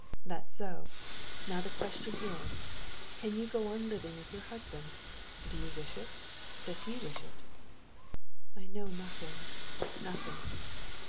"That's so. Now the question is: can you go on living with your husband? Do you wish it? Does he wish it?" "I know nothing, nothing."